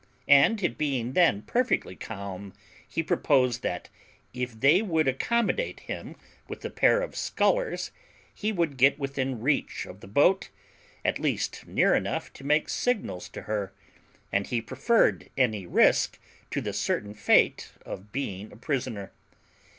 And, it being then perfectly calm, he proposed that, if they would accommodate him with a pair of scullers, he could get within reach of the boat, at least near enough to make signals to her; and he preferred any risque to the certain fate of being a prisoner.